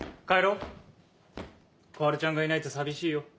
帰ろう小春ちゃんがいないと寂しいよ